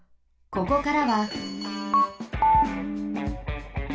ここからは。